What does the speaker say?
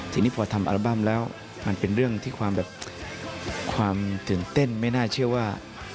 ทีนี้พอทำอัลบั้มแล้วมันเป็นเรื่องที่ความแบบความตื่นเต้นไม่น่าเชื่อว่า